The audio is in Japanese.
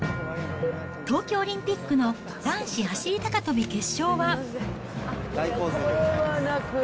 東京オリンピックの男子走り高跳び決勝は。